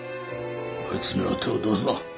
あいつには手を出すな